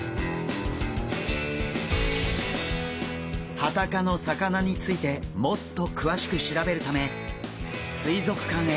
ハタ科の魚についてもっとくわしく調べるため水族館へ。